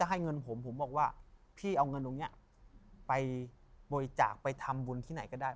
ให้เงินผมผมบอกว่าพี่เอาเงินตรงนี้ไปบริจาคไปทำบุญที่ไหนก็ได้